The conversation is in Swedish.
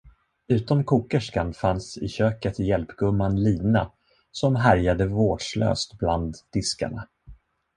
Utom kokerskan fanns i köket hjälpgumman Lina, som härjade vårdslöst bland diskarna.